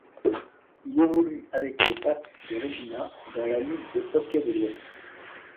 Il évolue avec les Pats de Regina dans la Ligue de hockey de l'Ouest.